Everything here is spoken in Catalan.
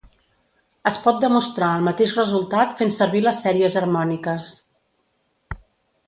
Es pot demostrar el mateix resultat fent servir les sèries harmòniques.